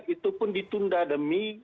itu pun ditunda demi